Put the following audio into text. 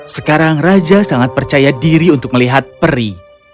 sekarang raja sangat percaya diri untuk melihat peri